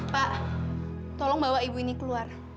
pak tolong bawa ibu ini keluar